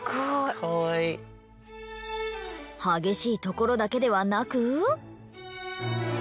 激しいところだけではなく。